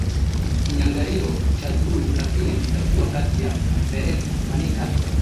kinyanganyiro cha duru la pili kitakuwa kati ya meren manikati